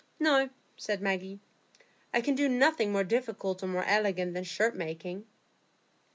"No," said Maggie, "I can do nothing more difficult or more elegant than shirt making."